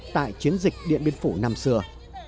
tại chiến dịch điện biên phủ năm xưa